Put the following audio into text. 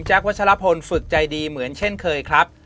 วัชลพลฝึกใจดีเหมือนเช่นเคยครับ